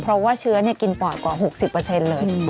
เพราะว่าเชื้อกินปอดกว่า๖๐เลย